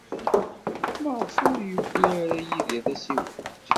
Maɣef ur yewwi ara Yidir tasiwant?